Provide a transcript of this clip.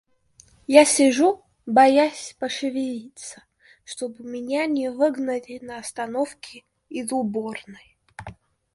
Я сижу, боясь пошевелиться, чтобы меня не выгнали на остановке из уборной.